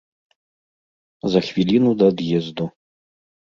За хвіліну да ад'езду.